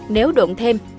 nếu độn thêm